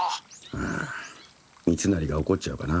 あ三成が怒っちゃうかな。